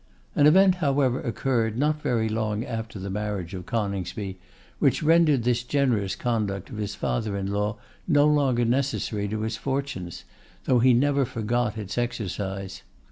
An event, however, occurred not very long after the marriage of Coningsby, which rendered this generous conduct of his father in law no longer necessary to his fortunes, though he never forgot its exercise.